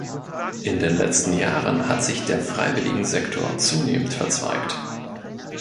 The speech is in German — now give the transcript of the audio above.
In den letzten Jahren hat sich der Freiwilligensektor zunehmend verzweigt.